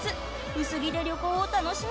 薄着で旅行を楽しみたい！